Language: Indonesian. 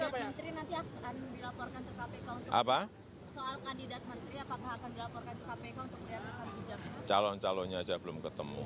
bisa terbicara soal kandidat menteri nanti akan dilaporkan ke kpk untuk